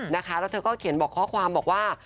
แล้วเธอก็เขียนบอกข้อความบอกว่า